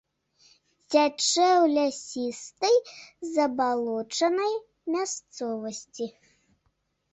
Цячэ ў лясістай забалочанай мясцовасці.